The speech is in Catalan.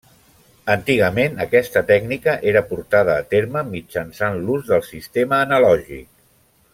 Antigament aquesta tècnica era portada a terme mitjançant l'ús del sistema analògic.